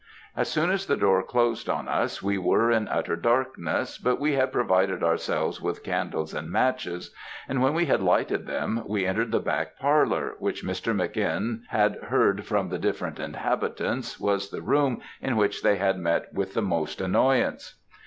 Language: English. "As soon as the door closed on us, we were in utter darkness, but we had provided ourselves with candles and matches, and when we had lighted them, we entered the back parlour, which Mr. Mc. N. had heard from the different inhabitants was the room in which they had met with most annoyance.